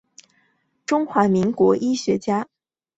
中华民国医学家。